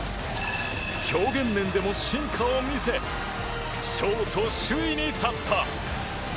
表現面でも進化を見せショート首位に立った。